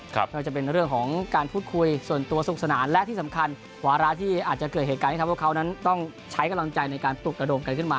ไม่ว่าจะเป็นเรื่องของการพูดคุยส่วนตัวสนุกสนานและที่สำคัญวาระที่อาจจะเกิดเหตุการณ์ที่ทำให้พวกเขานั้นต้องใช้กำลังใจในการปลุกระดมกันขึ้นมา